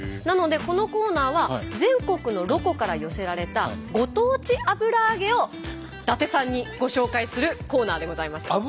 なのでこのコーナーは全国のロコから寄せられたご当地油揚げを伊達さんにご紹介するコーナーでございます。